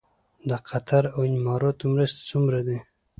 د قطر او اماراتو مرستې څومره دي؟